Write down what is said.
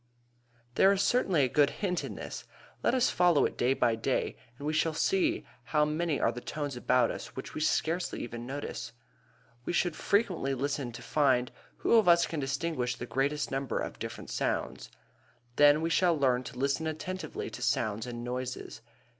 There is certainly a good hint in this. Let us follow it day by day, and we shall see how many are the tones about us which we scarcely ever notice. We should frequently listen and find who of us can distinguish the greatest number of different sounds. Then we shall learn to listen attentively to sounds and noises.